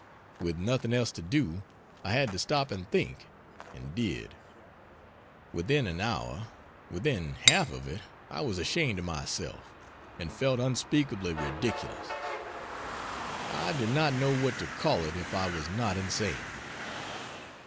With nothing else to do, I had to stop and think and did. Within an hour within half of it I was ashamed of myself and felt unspeakably ridiculous. I do not know what to call it if I was not insane.